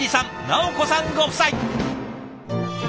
奈央子さんご夫妻。